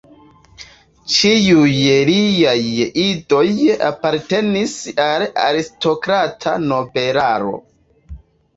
Ĉiuj liaj idoj apartenis al aristokrata nobelaro.